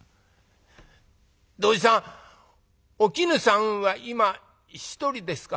おじさんお絹さんは今一人ですか？」。